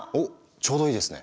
ちょうどいいですね。